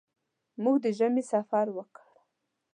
موږ د ژمي سفر وکړ.